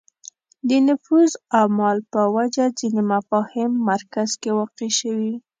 د نفوذ اعمال په وجه ځینې مفاهیم مرکز کې واقع شوې